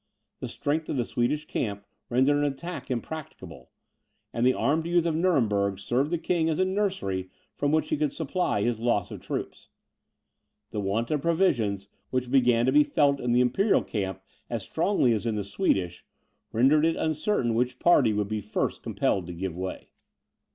The strength of the Swedish camp rendered an attack impracticable; and the armed youth of Nuremberg served the King as a nursery from which he could supply his loss of troops. The want of provisions, which began to be felt in the Imperial camp as strongly as in the Swedish, rendered it uncertain which party would be first compelled to give way.